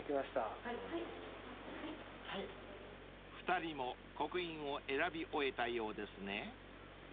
［２人も刻印を選び終えたようですね］